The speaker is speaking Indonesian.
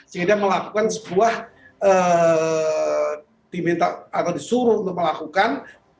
sehingga melakukan sebuah diminta atau disuruh untuk melakukan